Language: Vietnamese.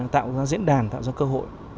tạo ra diễn đàn tạo ra cơ hội